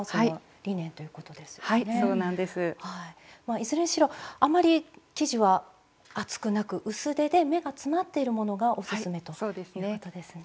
いずれにしろあまり生地は厚くなく薄手で目が詰まっているものがオススメということですね。